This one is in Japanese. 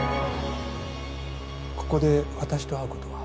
ここで私と会うことは？